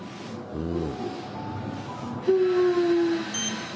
うん。